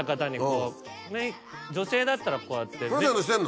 女性だったらこうやって。